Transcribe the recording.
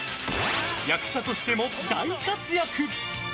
役者としても大活躍！